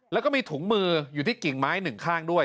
แล้วก็มีถุงมืออยู่ที่กิ่งไม้หนึ่งข้างด้วย